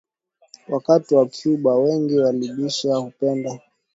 Wakati waCuba wengi bilashaka hawakumpenda Castro wengine walimpenda kwa dhati